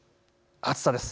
暑さです。